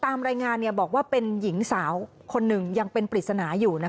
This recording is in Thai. ตามรายงานบอกว่าเป็นหญิงสาวคนหนึ่งยังเป็นปริศนาอยู่